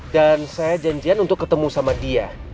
dan saya janjian untuk ketemu sama dia